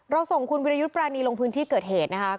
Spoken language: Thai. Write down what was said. ส่งคุณวิรยุทธ์ปรานีลงพื้นที่เกิดเหตุนะคะ